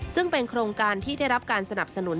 ซึ่งเป็นโครงการที่ได้รับการสนับสนุน